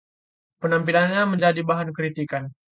Penampilannya menjadi bahan kritikan.